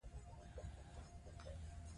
سباوون د غیرت چغې شل کاله وروسته چاپ شوه.